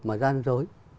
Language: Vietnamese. mà gian dối